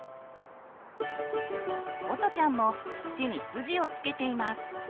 おとちゃんも土に筋をつけています。